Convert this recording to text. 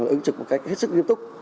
ứng trực một cách hết sức nghiêm túc